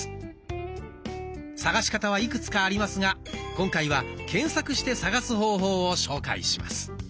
探し方はいくつかありますが今回は検索して探す方法を紹介します。